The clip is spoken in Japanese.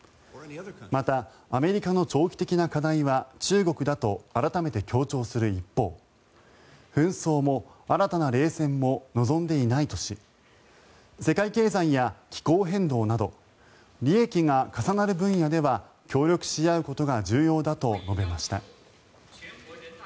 また、アメリカの長期的な課題は中国だと改めて強調する一方紛争も新たな冷戦も望んでいないとし世界経済や気候変動など利益が重なる分野では協力し合うことが重要だと述べました。